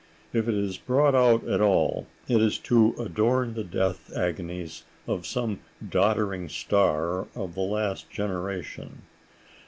If it is brought out at all, it is to adorn the death agonies of some doddering star of the last generation.